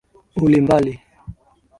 Uli mbali.